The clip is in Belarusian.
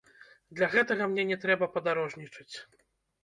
Для гэтага мне не трэба падарожнічаць.